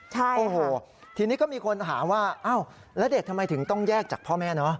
ใช่โอ้โหทีนี้ก็มีคนถามว่าอ้าวแล้วเด็กทำไมถึงต้องแยกจากพ่อแม่เนอะ